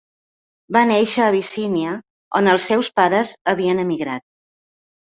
Va néixer a Abissínia, on els seus pares havien emigrat.